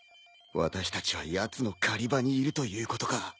私たちはやつの狩り場にいるということか。